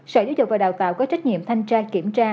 sở giáo dục và đào tạo có trách nhiệm thanh tra kiểm tra